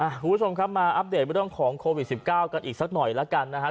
คุณผู้ชมครับมาอัปเดตเรื่องของโควิด๑๙กันอีกสักหน่อยแล้วกันนะครับ